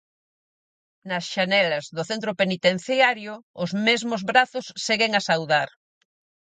Nas xanelas do centro penitenciario, os mesmos brazos seguen a saudar.